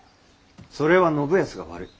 それは信康が悪い。